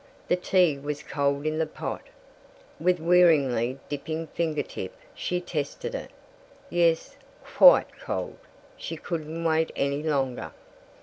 The tea was cold in the pot. With wearily dipping fingertip she tested it. Yes. Quite cold. She couldn't wait any longer.